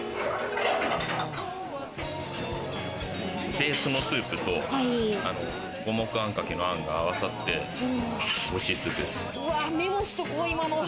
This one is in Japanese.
ベースのスープと五目あんかけのあんが合わさって、おいしいスープですね。